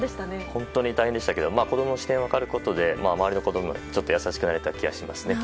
本当に大変でしたけど子供の視線が分かることで周りの子供にちょっと優しくなれた気がしますね。